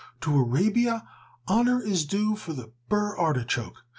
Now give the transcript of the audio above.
"To Arabia honor is due for the burr artichoke.